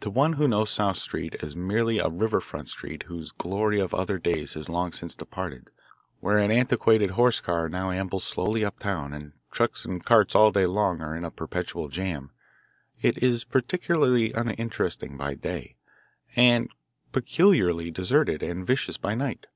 To one who knows South Street as merely a river front street whose glory of other days has long since departed, where an antiquated horsecar now ambles slowly uptown, and trucks and carts all day long are in a perpetual jam, it is peculiarly uninteresting by day, and peculiarly deserted and vicious by night.